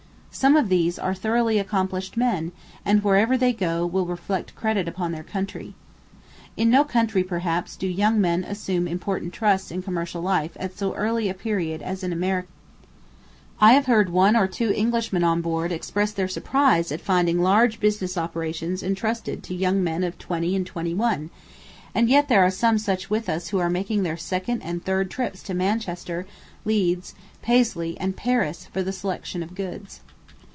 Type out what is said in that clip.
Some of these are thoroughly accomplished men, and, wherever they go, will reflect credit upon their country. In no country, perhaps, do young men assume important trusts in commercial life at so early a period as in America. I have heard one or two Englishmen on board express their surprise at finding large business operations intrusted to young men of twenty and twenty one; and yet there are some such with us who are making their second and third trips to Manchester, Leeds, Paisley, and Paris, for the selection of goods.